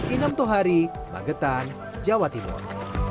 inam tohari magetan jawa timur